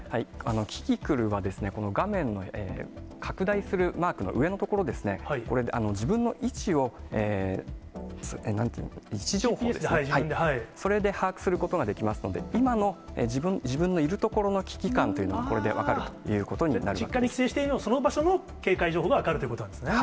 キキクルは、この画面の拡大するマークの上の所ですね、これ、自分の位置を、位置情報を、それで把握することができますので、今の自分のいる所の危機感というのが、これで分かるというこ実家に帰省していたら、その場所の警戒情報が分かるということなんですね。